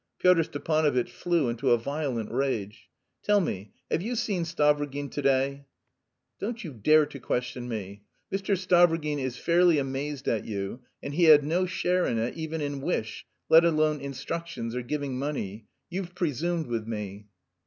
Pyotr Stepanovitch flew into a violent rage. "Tell me, have you seen Stavrogin to day?" "Don't you dare to question me. Mr. Stavrogin is fairly amazed at you, and he had no share in it even in wish, let alone instructions or giving money. You've presumed with me."